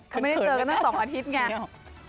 เขาไม่ได้เจอกันสักสองอาทิตย์ไง